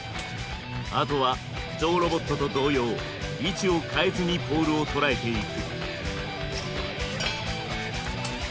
あとはゾウロボットと同様位置を変えずにポールをとらえていく。